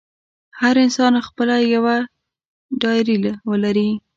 هر انسان خپله یوه ډایري ولري.